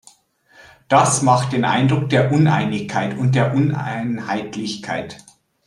Das macht den Eindruck der Uneinigkeit und der Uneinheitlichkeit.